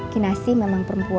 kinasi memang perempuan